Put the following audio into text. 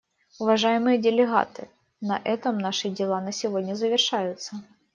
Уважаемые делегаты, на этом наши дела на сегодня завершаются.